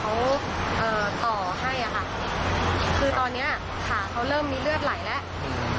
เขาเอ่อต่อให้อะค่ะคือตอนเนี้ยขาเขาเริ่มมีเลือดไหลแล้ว